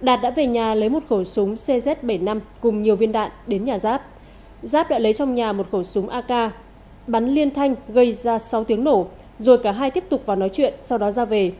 đạt đã về nhà lấy một khẩu súng cz bảy mươi năm cùng nhiều viên đạn đến nhà giáp đã lấy trong nhà một khẩu súng ak bắn liên thanh gây ra sáu tiếng nổ rồi cả hai tiếp tục vào nói chuyện sau đó ra về